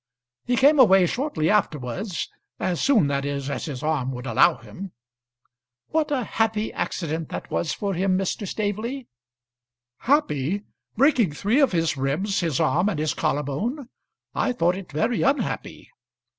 "He came away shortly afterwards, as soon, that is, as his arm would allow him." "What a happy accident that was for him, Mr. Staveley!" "Happy! breaking three of his ribs, his arm, and his collar bone! I thought it very unhappy."